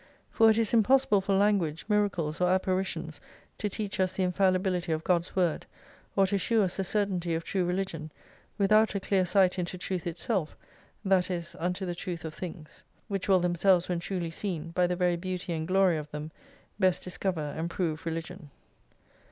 For it is impossible for lan guage, miracles, or apparitions to teach us the infalli bility of^God's word, or to shew us the certainty of true religion, without a clear sight into truth itself, that is unto the truth of things. Which will themselves when truly seen, by the very beauty and glory of them, best discover, and prove religion.